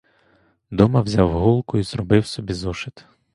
Дома взяв голку й зробив собі зошит.